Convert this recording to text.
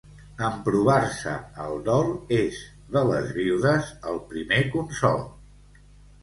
Emprovar-se el dol és, de les viudes, el primer consol.